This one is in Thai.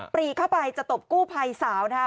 รีเข้าไปจะตบกู้ภัยสาวนะครับ